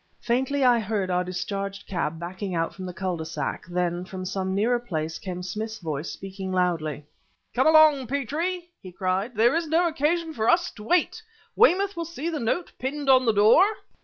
Faintly, I heard our discharged cab backing out from the cul de sac; then, from some nearer place, came Smith's voice speaking loudly. "Come along, Petrie!" he cried; "there is no occasion for us to wait. Weymouth will see the note pinned on the door."